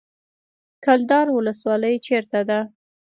کلدار ولسوالۍ چیرته ده؟